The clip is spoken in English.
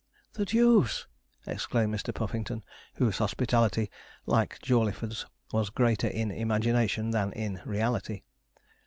'The deuce!' exclaimed Mr. Puffington, whose hospitality, like Jawleyford's, was greater in imagination than in reality.